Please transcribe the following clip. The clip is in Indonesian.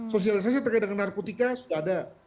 sosialisasi terkait dengan narkotika sudah ada